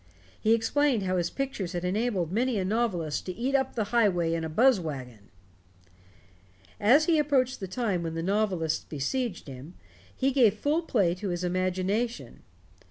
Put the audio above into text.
He explained how his pictures had enabled many a novelist to "eat up the highway in a buzz wagon." As he approached the time when the novelists besieged him, he gave full play to his imagination.